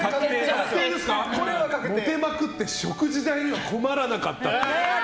モテまくって食事代には困らなかった。